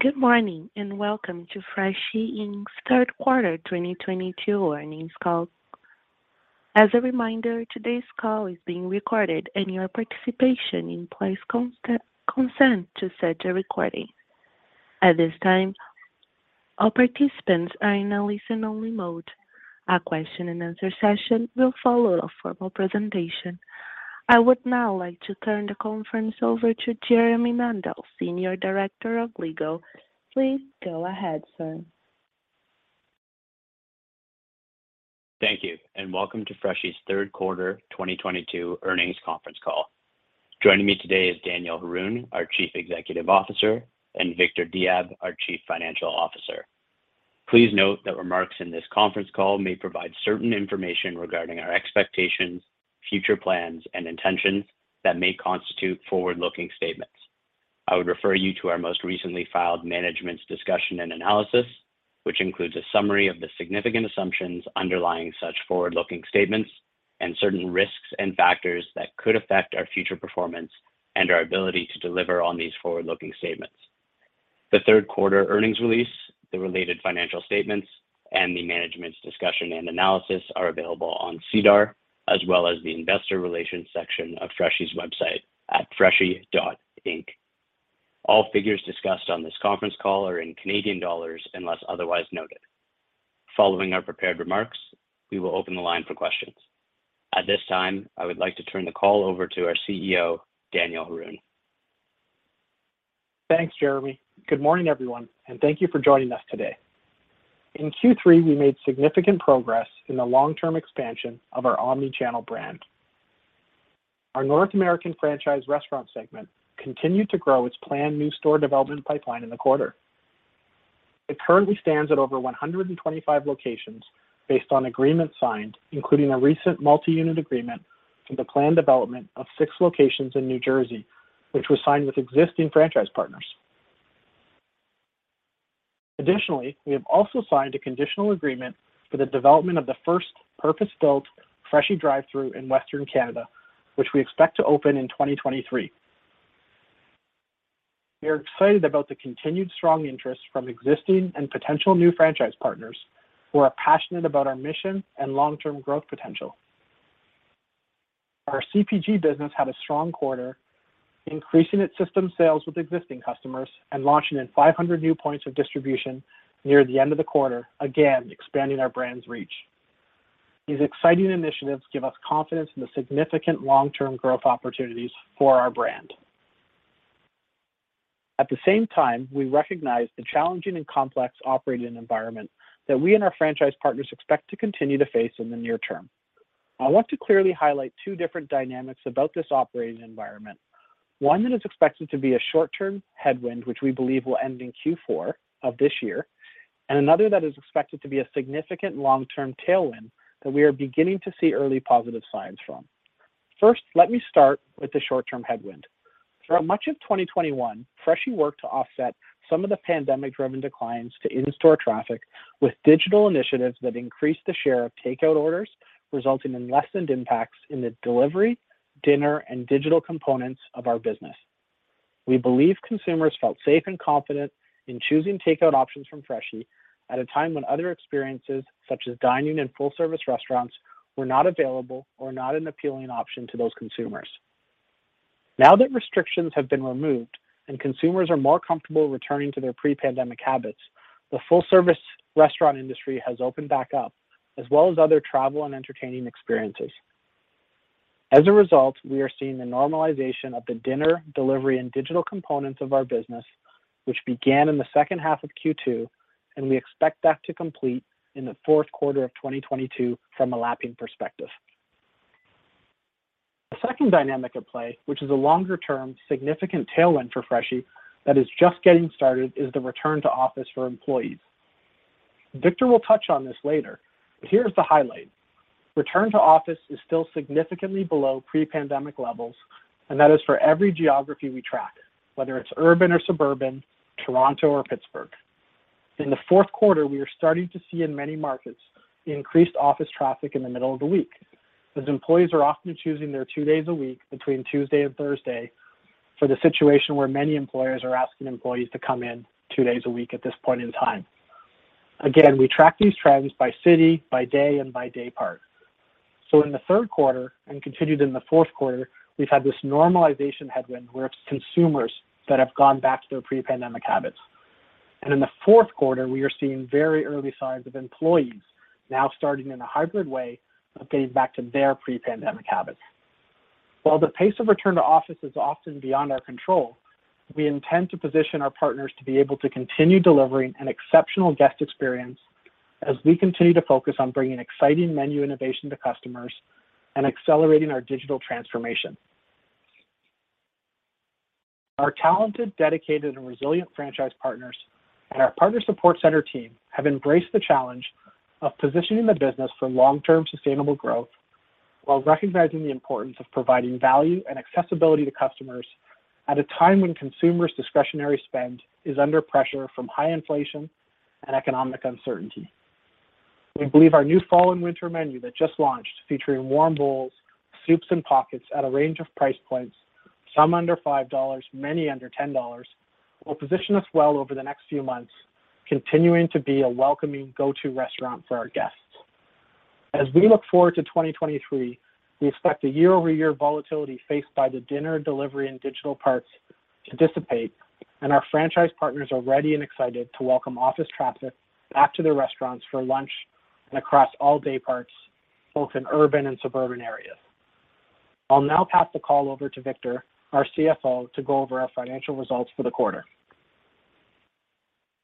Good morning, and welcome to Freshii Inc.'s third quarter 2022 earnings call. As a reminder, today's call is being recorded and your participation implies consent to such a recording. At this time, all participants are in a listen-only mode. A question and answer session will follow the formal presentation. I would now like to turn the conference over to Jeremy Mandell, Senior Director of Legal. Please go ahead, sir. Thank you, and welcome to Freshii's third quarter 2022 earnings conference call. Joining me today is Daniel Haroun, our Chief Executive Officer, and Victor Diab, our Chief Financial Officer. Please note that remarks in this conference call may provide certain information regarding our expectations, future plans and intentions that may constitute forward-looking statements. I would refer you to our most recently filed management's discussion and analysis, which includes a summary of the significant assumptions underlying such forward-looking statements and certain risks and factors that could affect our future performance and our ability to deliver on these forward-looking statements. The third quarter earnings release, the related financial statements, and the management's discussion and analysis are available on SEDAR, as well as the investor relations section of Freshii's website at freshii.inc. All figures discussed on this conference call are in Canadian dollars, unless otherwise noted. Following our prepared remarks, we will open the line for questions. At this time, I would like to turn the call over to our CEO, Daniel Haroun. Thanks, Jeremy. Good morning, everyone, and thank you for joining us today. In Q3, we made significant progress in the long-term expansion of our omni-channel brand. Our North American franchise restaurant segment continued to grow its planned new store development pipeline in the quarter. It currently stands at over 125 locations based on agreements signed, including a recent multi-unit agreement for the planned development of six locations in New Jersey, which was signed with existing franchise partners. Additionally, we have also signed a conditional agreement for the development of the first purpose-built Freshii drive-thru in Western Canada, which we expect to open in 2023. We are excited about the continued strong interest from existing and potential new franchise partners who are passionate about our mission and long-term growth potential. Our CPG business had a strong quarter, increasing its system sales with existing customers and launching in 500 new points of distribution near the end of the quarter, again expanding our brand's reach. These exciting initiatives give us confidence in the significant long-term growth opportunities for our brand. At the same time, we recognize the challenging and complex operating environment that we and our franchise partners expect to continue to face in the near term. I want to clearly highlight two different dynamics about this operating environment. One that is expected to be a short term headwind, which we believe will end in Q4 of this year, and another that is expected to be a significant long-term tailwind that we are beginning to see early positive signs from. First, let me start with the short term headwind. For much of 2021, Freshii worked to offset some of the pandemic driven declines to in-store traffic with digital initiatives that increased the share of takeout orders, resulting in lessened impacts in the delivery, dinner, and digital components of our business. We believe consumers felt safe and confident in choosing takeout options from Freshii at a time when other experiences, such as dining in full-service restaurants, were not available or not an appealing option to those consumers. Now that restrictions have been removed and consumers are more comfortable returning to their pre-pandemic habits, the full-service restaurant industry has opened back up, as well as other travel and entertaining experiences. As a result, we are seeing the normalization of the dinner, delivery, and digital components of our business, which began in the second half of Q2, and we expect that to complete in the fourth quarter of 2022 from a lapping perspective. The second dynamic at play, which is a longer-term, significant tailwind for Freshii that is just getting started, is the return to office for employees. Victor will touch on this later, but here's the highlight. Return to office is still significantly below pre-pandemic levels, and that is for every geography we track, whether it's urban or suburban, Toronto or Pittsburgh. In the fourth quarter, we are starting to see in many markets the increased office traffic in the middle of the week, as employees are often choosing their two days a week between Tuesday and Thursday for the situation where many employers are asking employees to come in two days a week at this point in time. Again, we track these trends by city, by day, and by day part. In the third quarter and continued in the fourth quarter, we've had this normalization headwind where it's consumers that have gone back to their pre-pandemic habits. In the fourth quarter, we are seeing very early signs of employees now starting in a hybrid way of getting back to their pre-pandemic habits. While the pace of return to office is often beyond our control, we intend to position our partners to be able to continue delivering an exceptional guest experience as we continue to focus on bringing exciting menu innovation to customers and accelerating our digital transformation. Our talented, dedicated, and resilient franchise partners and our partner support center team have embraced the challenge of positioning the business for long-term sustainable growth while recognizing the importance of providing value and accessibility to customers at a time when consumers' discretionary spend is under pressure from high inflation and economic uncertainty. We believe our new fall and winter menu that just launched featuring warm bowls, soups, and pockets at a range of price points, some under 5 dollars, many under 10 dollars, will position us well over the next few months, continuing to be a welcoming go-to restaurant for our guests. As we look forward to 2023, we expect the year-over-year volatility faced by the dinner, delivery, and digital parts to dissipate, and our franchise partners are ready and excited to welcome office traffic back to the restaurants for lunch and across all day parts, both in urban and suburban areas. I'll now pass the call over to Victor, our CFO, to go over our financial results for the quarter.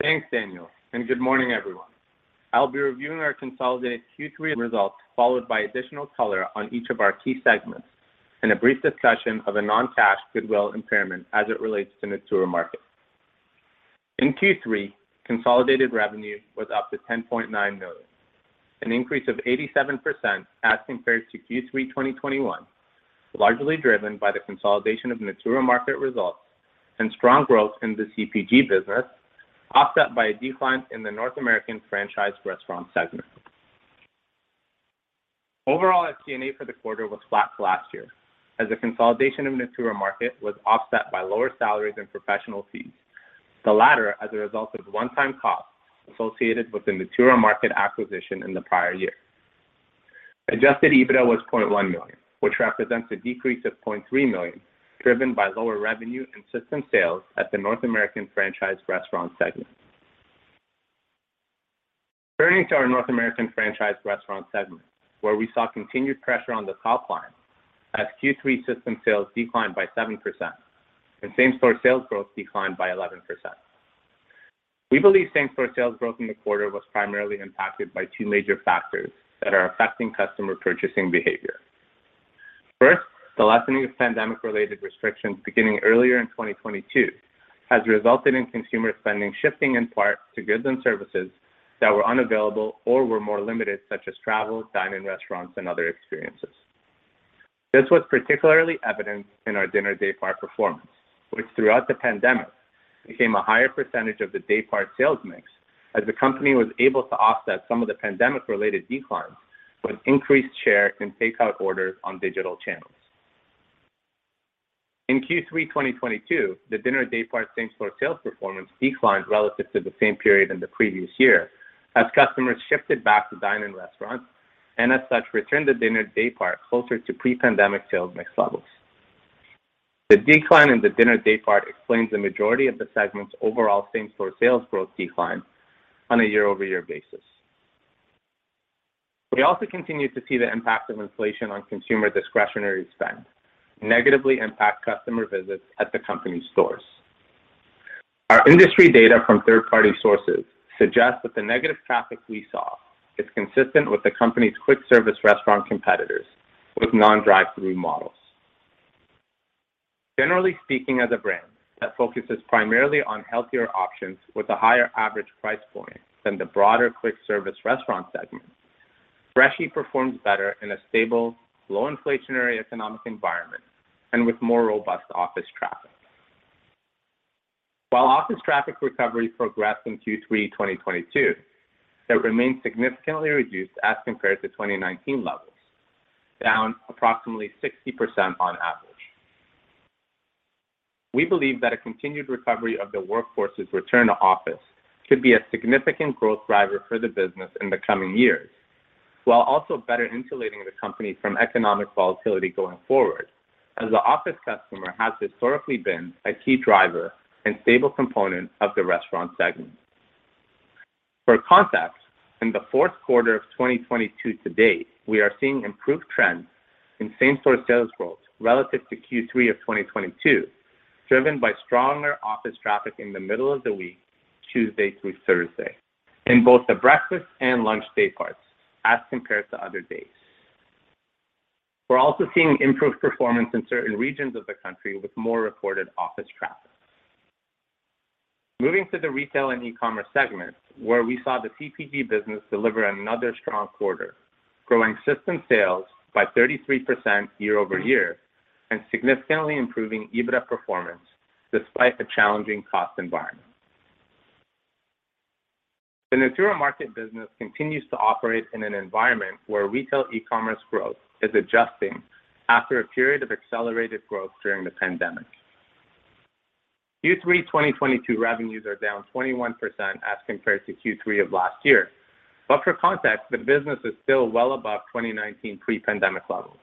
Thanks, Daniel, and good morning, everyone. I'll be reviewing our consolidated Q3 results, followed by additional color on each of our key segments and a brief discussion of a non-cash goodwill impairment as it relates to Natura Market. In Q3, consolidated revenue was up to 10.9 million, an increase of 87% as compared to Q3 2021, largely driven by the consolidation of Natura Market results and strong growth in the CPG business, offset by a decline in the North American franchise restaurant segment. Overall SG&A for the quarter was flat to last year as the consolidation of Natura Market was offset by lower salaries and professional fees, the latter as a result of one-time costs associated with the Natura Market acquisition in the prior year. Adjusted EBITDA was 0.1 million, which represents a decrease of 0.3 million, driven by lower revenue and system sales at the North American franchise restaurant segment. Turning to our North American franchise restaurant segment, where we saw continued pressure on the top line as Q3 system sales declined by 7% and same-store sales growth declined by 11%. We believe same-store sales growth in the quarter was primarily impacted by two major factors that are affecting customer purchasing behavior. First, the lessening of pandemic-related restrictions beginning earlier in 2022 has resulted in consumer spending shifting in part to goods and services that were unavailable or were more limited, such as travel, dine-in restaurants, and other experiences. This was particularly evident in our dinner day part performance, which throughout the pandemic became a higher percentage of the day part sales mix as the company was able to offset some of the pandemic-related declines with increased share in takeout orders on digital channels. In Q3 2022, the dinner day part same-store sales performance declined relative to the same period in the previous year as customers shifted back to dine-in restaurants and as such returned the dinner day part closer to pre-pandemic sales mix levels. The decline in the dinner day part explains the majority of the segment's overall same-store sales growth decline on a year-over-year basis. We also continued to see the impact of inflation on consumer discretionary spend negatively impact customer visits at the company stores. Our industry data from third-party sources suggests that the negative traffic we saw is consistent with the company's quick service restaurant competitors with non-drive-through models. Generally speaking, as a brand that focuses primarily on healthier options with a higher average price point than the broader quick service restaurant segment, Freshii performs better in a stable, low inflationary economic environment and with more robust office traffic. While office traffic recovery progressed in Q3 2022, it remains significantly reduced as compared to 2019 levels, down approximately 60% on average. We believe that a continued recovery of the workforce's return to office could be a significant growth driver for the business in the coming years, while also better insulating the company from economic volatility going forward, as the office customer has historically been a key driver and stable component of the restaurant segment. For context, in the fourth quarter of 2022 to date, we are seeing improved trends in same-store sales growth relative to Q3 of 2022, driven by stronger office traffic in the middle of the week, Tuesday through Thursday, in both the breakfast and lunch day parts as compared to other days. We're also seeing improved performance in certain regions of the country with more reported office traffic. Moving to the retail and e-commerce segment, where we saw the CPG business deliver another strong quarter, growing system sales by 33% year-over-year and significantly improving EBITDA performance despite a challenging cost environment. The Natura Market business continues to operate in an environment where retail e-commerce growth is adjusting after a period of accelerated growth during the pandemic. Q3 2022 revenues are down 21% as compared to Q3 of last year. For context, the business is still well above 2019 pre-pandemic levels.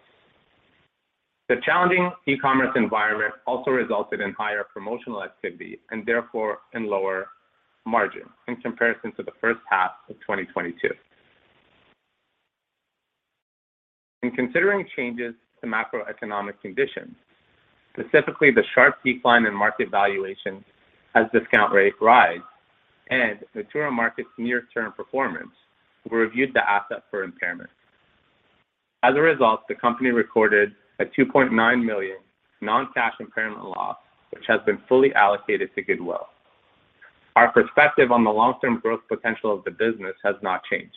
The challenging e-commerce environment also resulted in higher promotional activity and therefore in lower margin in comparison to the first half of 2022. In considering changes to macroeconomic conditions, specifically the sharp decline in market valuation as discount rates rise and Natura Market's near-term performance, we reviewed the asset for impairment. As a result, the company recorded a 2.9 million non-cash impairment loss, which has been fully allocated to goodwill. Our perspective on the long-term growth potential of the business has not changed.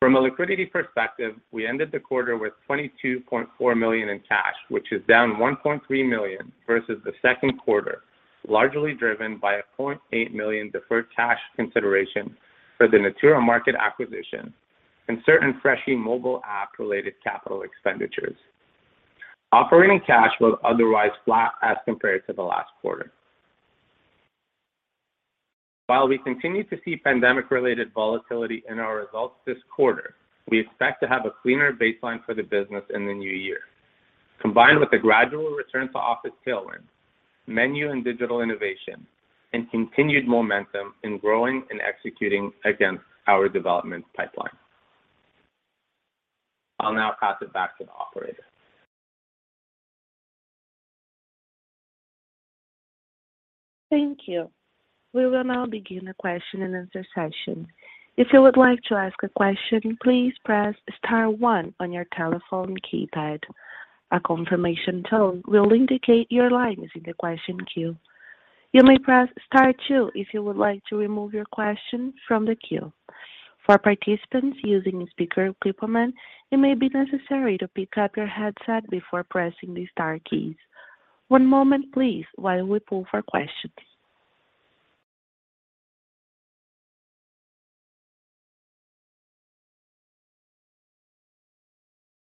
From a liquidity perspective, we ended the quarter with 22.4 million in cash, which is down 1.3 million versus the second quarter, largely driven by a 0.8 million deferred cash consideration for the Natura Market acquisition and certain Freshii mobile app related capital expenditures. Operating cash was otherwise flat as compared to the last quarter. While we continue to see pandemic related volatility in our results this quarter, we expect to have a cleaner baseline for the business in the new year, combined with a gradual return to office tailwind, menu and digital innovation, and continued momentum in growing and executing against our development pipeline. I'll now pass it back to the operator. Thank you. We will now begin the question and answer session. If you would like to ask a question, please press star one on your telephone keypad. A confirmation tone will indicate your line is in the question queue. You may press star two if you would like to remove your question from the queue. For participants using speaker equipment, it may be necessary to pick up your headset before pressing the star keys. One moment, please, while we poll for questions.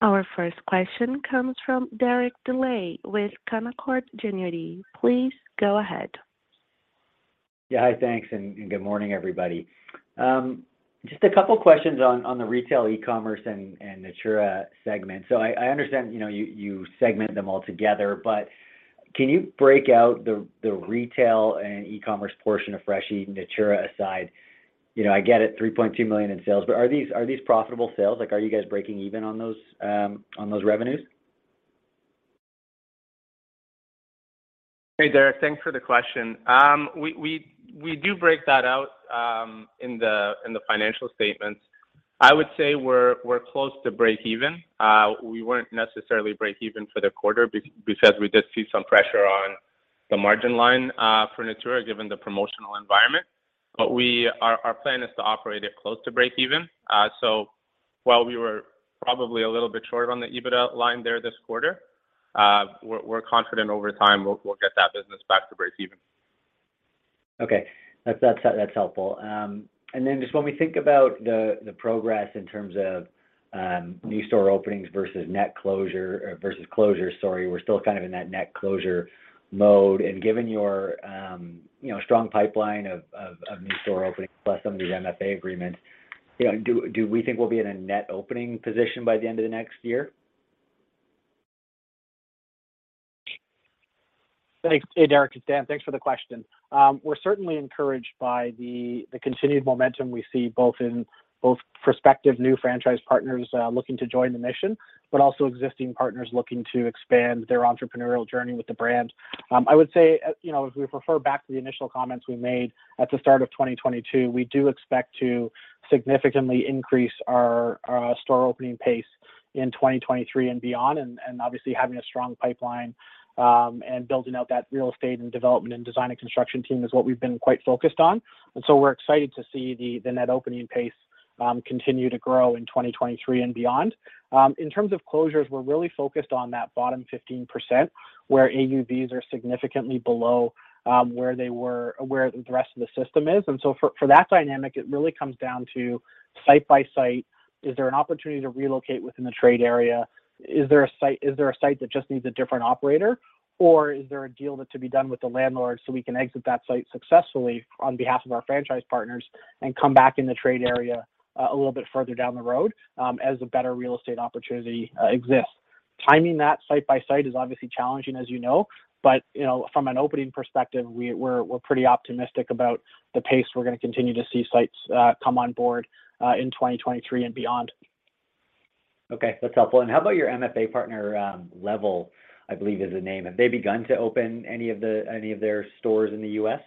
Our first question comes from Derek Dley with Canaccord Genuity. Please go ahead. Yeah. Hi. Thanks, and good morning, everybody. Just a couple questions on the retail e-commerce and Natura segment. I understand, you know, you segment them all together, but can you break out the retail and e-commerce portion of Freshii, Natura aside? You know, I get it, 3.2 million in sales, but are these profitable sales? Like, are you guys breaking even on those revenues? Hey, Derek. Thanks for the question. We do break that out in the financial statements. I would say we're close to breakeven. We weren't necessarily breakeven for the quarter because we did see some pressure on the margin line for Natura, given the promotional environment. Our plan is to operate it close to breakeven. While we were probably a little bit short on the EBITDA line there this quarter, we're confident over time we'll get that business back to breakeven. Okay. That's helpful. Just when we think about the progress in terms of new store openings versus net closure, versus closure, sorry. We're still kind of in that net closure mode, and given your you know, strong pipeline of new store openings plus some of these MFA agreements, you know, do we think we'll be in a net opening position by the end of the next year? Thanks. Hey, Derek, it's Dan. Thanks for the question. We're certainly encouraged by the continued momentum we see both in prospective new franchise partners looking to join the mission, but also existing partners looking to expand their entrepreneurial journey with the brand. I would say, you know, if we refer back to the initial comments we made at the start of 2022, we do expect to significantly increase our store opening pace in 2023 and beyond. Obviously having a strong pipeline and building out that real estate and development and design and construction team is what we've been quite focused on. We're excited to see the net opening pace continue to grow in 2023 and beyond. In terms of closures, we're really focused on that bottom 15%, where AUVs are significantly below where the rest of the system is. For that dynamic, it really comes down to site by site. Is there an opportunity to relocate within the trade area? Is there a site that just needs a different operator? Or is there a deal that could be done with the landlord so we can exit that site successfully on behalf of our franchise partners and come back in the trade area a little bit further down the road as a better real estate opportunity exists? Timing that site by site is obviously challenging, as you know, but, you know, from an opening perspective, we're pretty optimistic about the pace we're gonna continue to see sites come on board in 2023 and beyond. Okay. That's helpful. How about your MFA partner, Level, I believe is the name. Have they begun to open any of their stores in the U.S.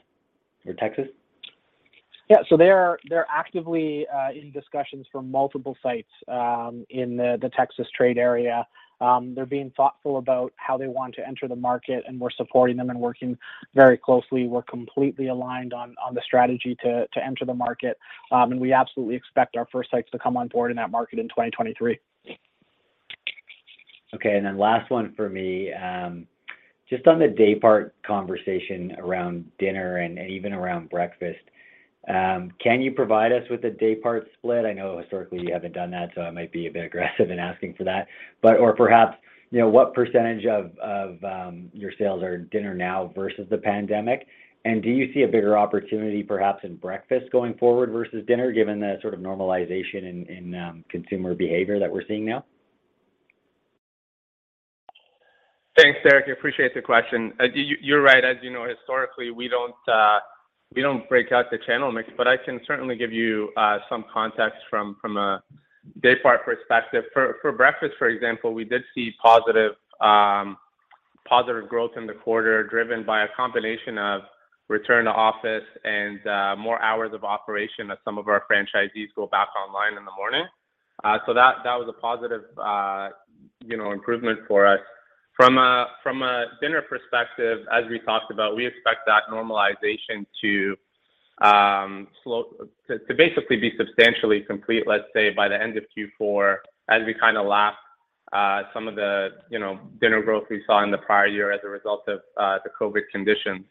or Texas? Yeah. They're actively in discussions for multiple sites in the Texas trade area. They're being thoughtful about how they want to enter the market, and we're supporting them and working very closely. We're completely aligned on the strategy to enter the market, and we absolutely expect our first sites to come on board in that market in 2023. Okay. Last one for me. Just on the daypart conversation around dinner and even around breakfast, can you provide us with a daypart split? I know historically you haven't done that, so I might be a bit aggressive in asking for that. Or perhaps, you know, what percentage of your sales are dinner now versus the pandemic? Do you see a bigger opportunity perhaps in breakfast going forward versus dinner, given the sort of normalization in consumer behavior that we're seeing now? Thanks, Derek. I appreciate the question. You're right. As you know, historically, we don't break out the channel mix. I can certainly give you some context from a daypart perspective. For breakfast, for example, we did see positive growth in the quarter, driven by a combination of return to office and more hours of operation as some of our franchisees go back online in the morning. So that was a positive, you know, improvement for us. From a dinner perspective, as we talked about, we expect that normalization to basically be substantially complete, let's say, by the end of Q4 as we kinda lap some of the, you know, dinner growth we saw in the prior year as a result of the COVID conditions.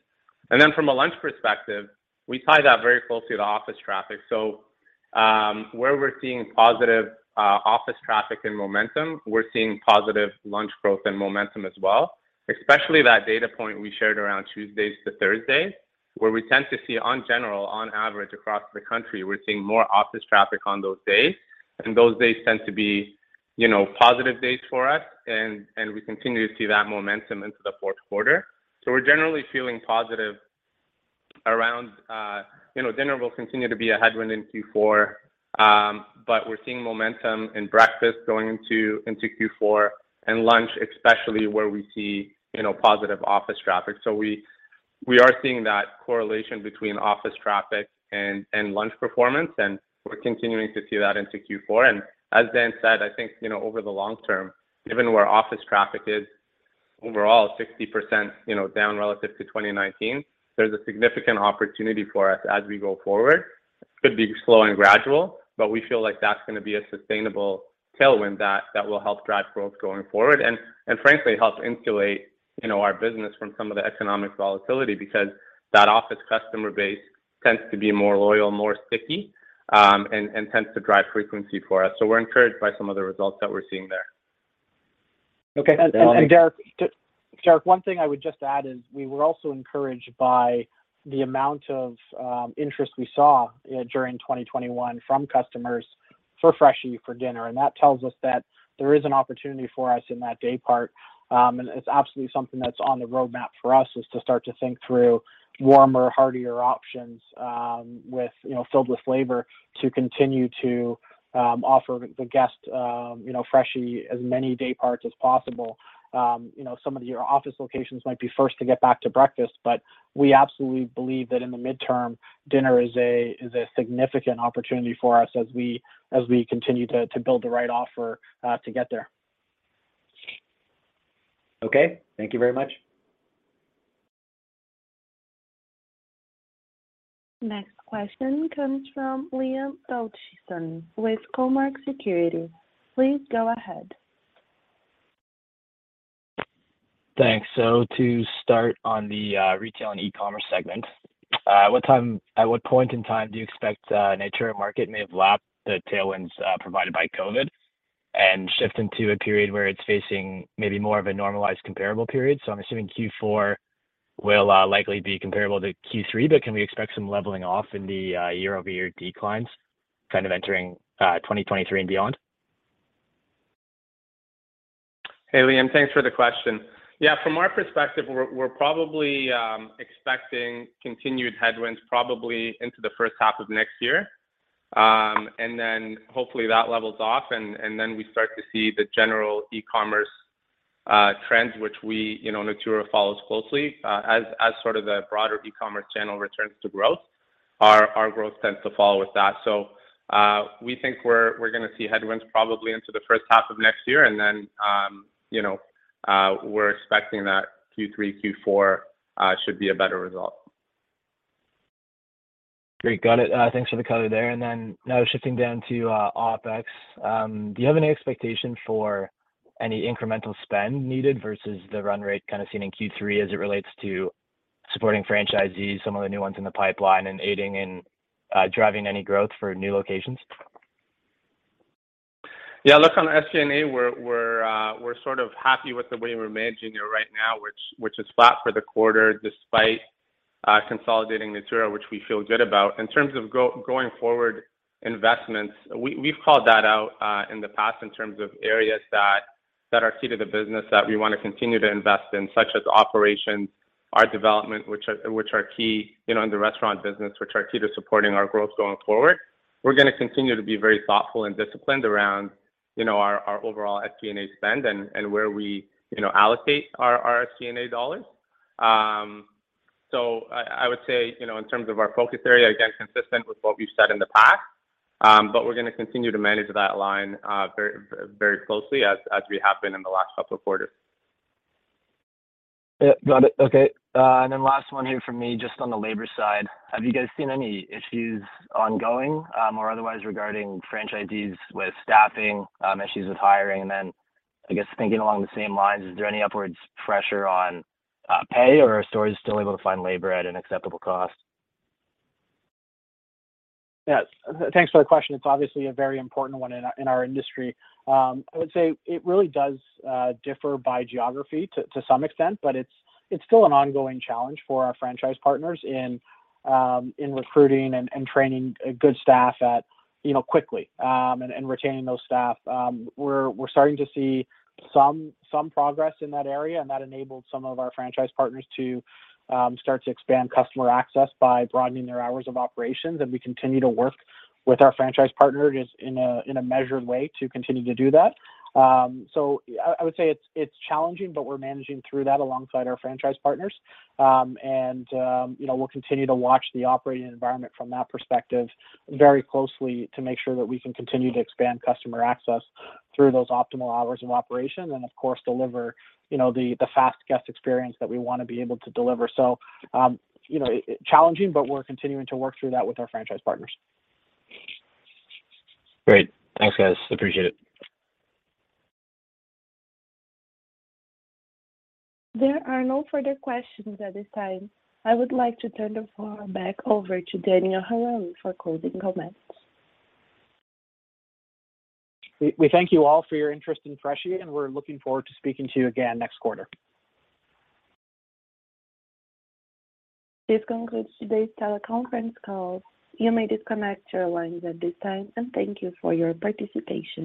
From a lunch perspective, we tie that very closely to office traffic. Where we're seeing positive office traffic and momentum, we're seeing positive lunch growth and momentum as well, especially that data point we shared around Tuesdays to Thursdays, where we tend to see in general, on average across the country, we're seeing more office traffic on those days, and those days tend to be, you know, positive days for us, and we continue to see that momentum into the fourth quarter. We're generally feeling positive around, you know, dinner will continue to be a headwind in Q4, but we're seeing momentum in breakfast going into Q4, and lunch, especially where we see, you know, positive office traffic. We are seeing that correlation between office traffic and lunch performance, and we're continuing to see that into Q4. As Dan said, I think, you know, over the long term, even where office traffic is overall 60%, you know, down relative to 2019, there's a significant opportunity for us as we go forward. Could be slow and gradual, but we feel like that's gonna be a sustainable tailwind that will help drive growth going forward. And frankly, help insulate, you know, our business from some of the economic volatility because that office customer base tends to be more loyal, more sticky, and tends to drive frequency for us. We're encouraged by some of the results that we're seeing there. Okay. Derek, one thing I would just add is we were also encouraged by the amount of interest we saw during 2021 from customers for Freshii for dinner, and that tells us that there is an opportunity for us in that day part. It's absolutely something that's on the roadmap for us, is to start to think through warmer, heartier options, with you know filled with flavor to continue to offer the guest you know Freshii as many day parts as possible. You know some of your office locations might be first to get back to breakfast, but we absolutely believe that in the midterm, dinner is a significant opportunity for us as we continue to build the right offer to get there. Okay. Thank you very much. Next question comes from Liam Dotchison with Cormark Securities. Please go ahead. Thanks. To start on the retail and e-commerce segment, at what point in time do you expect Natura Market may have lapped the tailwinds provided by COVID and shift into a period where it's facing maybe more of a normalized comparable period? I'm assuming Q4 will likely be comparable to Q3, but can we expect some leveling off in the year-over-year declines kind of entering 2023 and beyond? Hey, Liam. Thanks for the question. Yeah, from our perspective, we're probably expecting continued headwinds probably into the first half of next year. Hopefully that levels off and then we start to see the general e-commerce trends which we, you know, Natura follows closely, as sort of the broader e-commerce channel returns to growth. Our growth tends to follow with that. We think we're gonna see headwinds probably into the first half of next year and then, you know, we're expecting that Q3, Q4 should be a better result. Great. Got it. Thanks for the color there. Now shifting down to OpEx. Do you have any expectation for any incremental spend needed versus the run rate kinda seen in Q3 as it relates to supporting franchisees, some of the new ones in the pipeline, and aiding in driving any growth for new locations? Yeah, look, on SG&A, we're sort of happy with the way we're managing it right now, which is flat for the quarter, despite consolidating Natura, which we feel good about. In terms of going forward investments, we've called that out in the past in terms of areas that are key to the business that we wanna continue to invest in, such as operations, our development, which are key, you know, in the restaurant business, which are key to supporting our growth going forward. We're gonna continue to be very thoughtful and disciplined around, you know, our overall SG&A spend and where we, you know, allocate our SG&A dollars. I would say, you know, in terms of our focus area, again, consistent with what we've said in the past, but we're gonna continue to manage that line, very closely as we have been in the last couple of quarters. Yeah. Got it. Okay. last one here from me, just on the labor side. Have you guys seen any issues ongoing, or otherwise regarding franchisees with staffing, issues with hiring? I guess thinking along the same lines, is there any upwards pressure on pay, or are stores still able to find labor at an acceptable cost? Yes. Thanks for the question. It's obviously a very important one in our industry. I would say it really does differ by geography to some extent, but it's still an ongoing challenge for our franchise partners in recruiting and training a good staff at, you know, quickly, and retaining those staff. We're starting to see some progress in that area, and that enabled some of our franchise partners to start to expand customer access by broadening their hours of operations. We continue to work with our franchise partners in a measured way to continue to do that. I would say it's challenging, but we're managing through that alongside our franchise partners. you know, we'll continue to watch the operating environment from that perspective very closely to make sure that we can continue to expand customer access through those optimal hours of operation and, of course, deliver, you know, the fast guest experience that we wanna be able to deliver. you know, challenging, but we're continuing to work through that with our franchise partners. Great. Thanks, guys. Appreciate it. There are no further questions at this time. I would like to turn the floor back over to Daniel Haroun for closing comments. We thank you all for your interest in Freshii, and we're looking forward to speaking to you again next quarter. This concludes today's teleconference call. You may disconnect your lines at this time, and thank you for your participation.